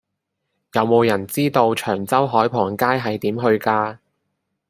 有無人知道長洲海傍街係點去㗎